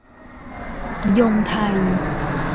ยงไทย